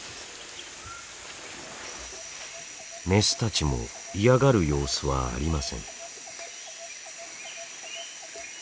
メスたちも嫌がる様子はありません。